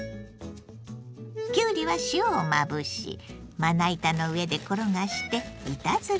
きゅうりは塩をまぶしまな板の上で転がして板ずりします。